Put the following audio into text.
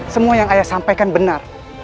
semua yang ayah sampaikan benar